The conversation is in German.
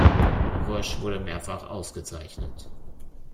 Rösch wurde mehrfach ausgezeichnet.